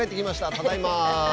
ただいま。